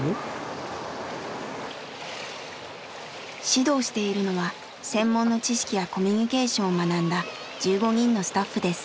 指導しているのは専門の知識やコミュニケーションを学んだ１５人のスタッフです。